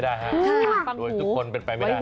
ฟังของทุกคนเป็นไปไม่ได้ฮะ